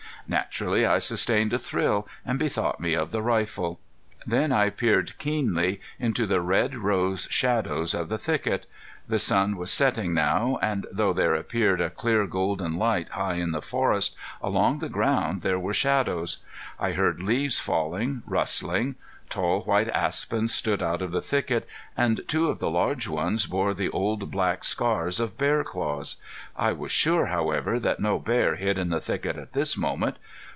Naturally I sustained a thrill, and bethought me of the rifle. Then I peered keenly into the red rose shadows of the thicket. The sun was setting now, and though there appeared a clear golden light high in the forest, along the ground there were shadows. I heard leaves falling, rustling. Tall white aspens stood out of the thicket, and two of the large ones bore the old black scars of bear claws. I was sure, however, that no bear hid in the thicket at this moment.